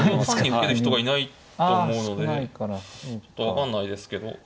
受ける人がいないと思うのでちょっと分かんないですけど。